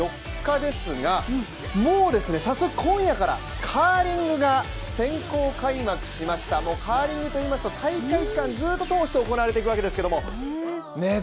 ４日ですが、もうですね早速今夜からカーリングが先行開幕しましたもカーリングといいますと大会期間ずっと通して行われていくわけですけどもね